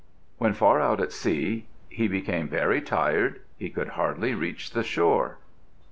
When far out at sea, he became very tired. He could hardly reach the shore.